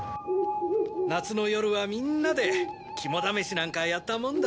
夏の夜はみんなで肝試しなんかやったもんだ。